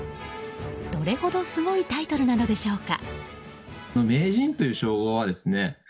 どれほどすごいタイトルなのでしょうか。